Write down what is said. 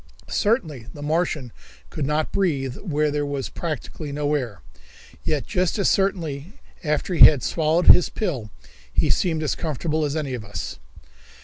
Certainly the Martian could not breathe where there was practically no air, yet just as certainly after he had swallowed his pill he seemed as comfortable as any of us.